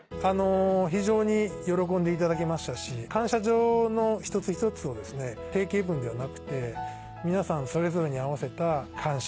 非常に喜んでいただけましたし感謝状の一つ一つを定型文ではなくて皆さんそれぞれに合わせた感謝